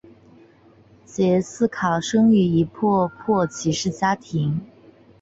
杰式卡生于一破落骑士家庭。